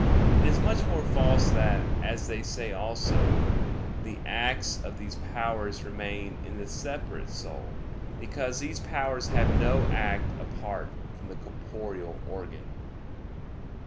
It is much more false that, as they say also, the acts of these powers remain in the separate soul; because these powers have no act apart from the corporeal organ.